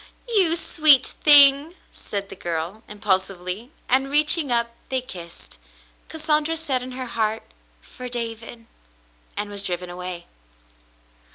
"You sweet thing!" said the girl, impulsively, and, reaching up, they kissed. Cassandra said in her heart, "For David," and was driven away.